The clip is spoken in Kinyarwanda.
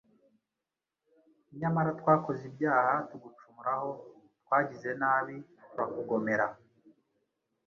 Nyamara twakoze ibyaha tugucumuraho twagize nabi turakugomera,